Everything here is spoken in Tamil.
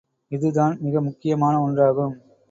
இதுதான் மிக முக்கியமான ஒன்றாகும்.